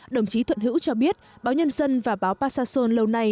đồng chí thuận hữu cho biết báo nhân dân và báo pa sa son lâu nay